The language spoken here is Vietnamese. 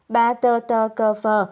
bà tơ tơ cơ phờ